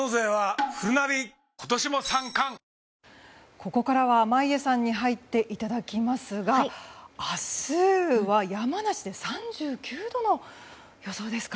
ここからは眞家さんに入っていただきますが明日は山梨で３９度の予想ですか。